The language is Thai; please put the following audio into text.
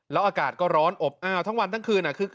แล้วอากาศก็ร้อนอบอ้าวทั้งวันทั้งคืน